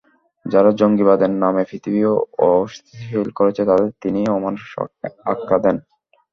যারা জঙ্গিবাদের নামে পৃথিবী অস্থিতিশীল করছে তাদের তিনি অমানুষ আখ্যা দেন।